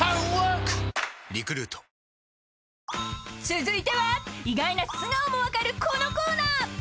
［続いては意外な素顔も分かるこのコーナー］